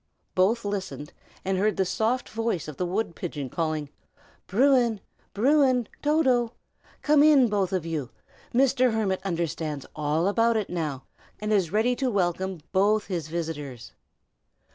Both listened, and heard the soft voice of the wood pigeon calling, "Bruin! Bruin! Toto! come in, both of you. Mr. Hermit understands all about it now, and is ready to welcome both his visitors."